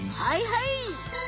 はいはい！